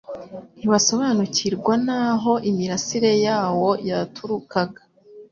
ntibasobanukirwa n'aho imirasire yawo yaturukaga.